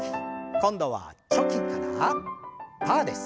今度はチョキからパーです。